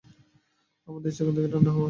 আমার দৃষ্টিকোণ থেকে ঠান্ডা হওয়ার।